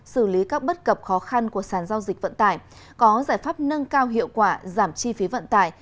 xử lý các bất cập khó khăn của sàn giao dịch vận tải có giải pháp nâng cao hiệu quả giảm chi phí vận tải